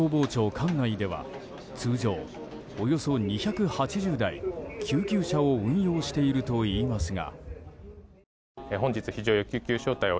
管内では通常、およそ２８０台救急車を運用しているといいますが。